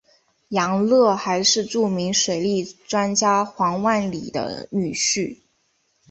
杨乐还是著名水利专家黄万里的女婿。